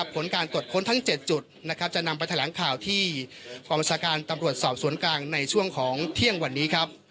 ผลการตรวจค้นทั้ง๗จุดจะนำไปแถลงข่าวที่กองบัญชาการตำรวจสอบสวนกลางในช่วงของเที่ยงวันนี้ครับ